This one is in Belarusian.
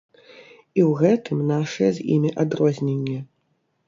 І ў гэтым нашае з імі адрозненне.